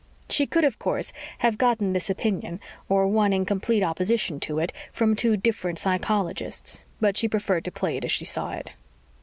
She could, of course, have gotten this opinion, or one in complete opposition to it, from two different psychologists, but she preferred to play it as she saw it.